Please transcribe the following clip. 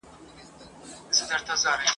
نه به مي قبر چاته معلوم وي !.